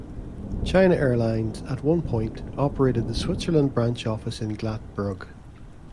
China Airlines, at one point, operated the Switzerland Branch office in Glattbrugg.